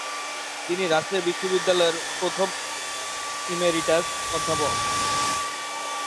তিনি রাজশাহী বিশ্ববিদ্যালয়ের প্রথম ইমেরিটাস অধ্যাপক।